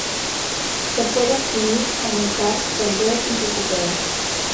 Se puede adquirir, aumentar, perder y recuperar.